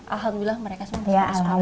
alhamdulillah mereka semua sempat sekolah ya bu